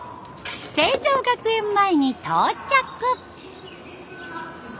成城学園前に到着。